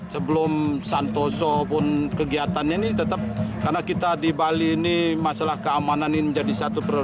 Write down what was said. sebelum santoso pun kegiatannya ini tetap karena kita di bali ini masalah keamanan ini menjadi satu prioritas